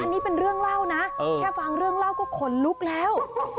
อันนี้เป็นเรื่องเล่านะแค่ฟังเรื่องเล่าก็ขนลุกแล้ว